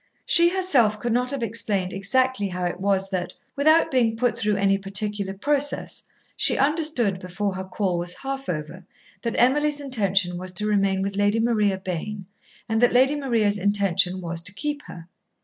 She herself could not have explained exactly how it was that, without being put through any particular process, she understood, before her call was half over, that Emily's intention was to remain with Lady Maria Bayne and that Lady Maria's intention was to keep her.